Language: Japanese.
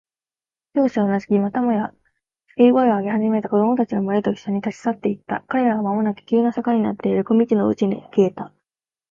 教師はうなずき、またもや叫び声を上げ始めた子供たちのむれといっしょに、立ち去っていった。彼らはまもなく急な坂になっている小路のうちに消えた。